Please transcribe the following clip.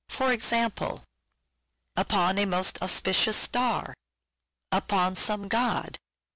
For example :— upon A most auspicious star " (I. a.) upon Some god " (I.